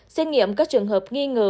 xét nghiệm các trường hợp nghi ngờ